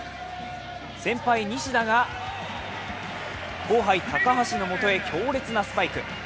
先輩・西田が後輩・高橋のもとへ強烈なスパイク。